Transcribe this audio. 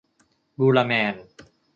บูราแมน